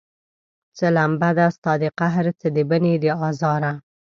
څه لمبه ده ستا د قهر، څه د بني د ازاره